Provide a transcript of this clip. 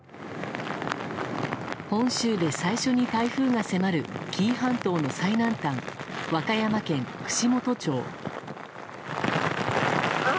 本州で最初に台風が迫る紀伊半島の最南端和歌山県串本町。